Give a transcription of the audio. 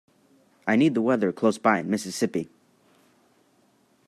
I need the weather close-by in Mississippi